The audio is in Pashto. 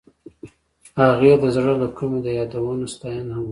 هغې د زړه له کومې د یادونه ستاینه هم وکړه.